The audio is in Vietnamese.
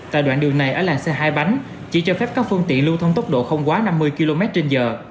tại đoạn đường này ở làng xe hai bánh chỉ cho phép các phương tiện lưu thông tốc độ không quá năm mươi km trên giờ